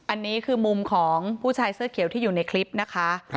อันนี้คือมุมของผู้ชายเสื้อเขียวที่อยู่ในคลิปนะคะ